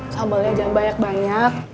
sambalnya jangan banyak banyak